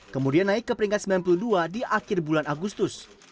kemudian naik ke peringkat sembilan puluh dua di akhir bulan agustus